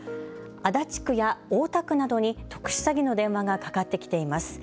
足立区や大田区などに特殊詐欺の電話がかかってきています。